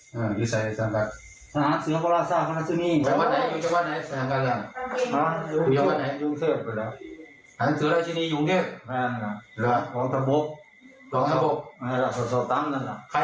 ฮะใครเป็นพนันไว้ชื่ออะไรพนันไว้ผมนี่แหละ